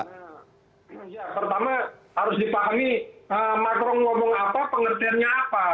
ya pertama harus dipahami makro ngomong apa pengertiannya apa